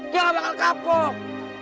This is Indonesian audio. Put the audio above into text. dia gak bakal kapok